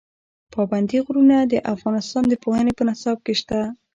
پابندي غرونه د افغانستان د پوهنې په نصاب کې شته.